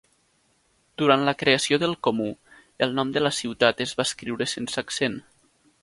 Durant la creació del comú, el nom de la ciutat es va escriure sense accent.